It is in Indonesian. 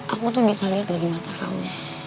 aku tuh bisa lihat dari mata kamu